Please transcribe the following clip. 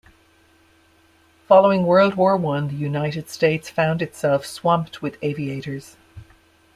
Following World War One, the United States found itself swamped with aviators.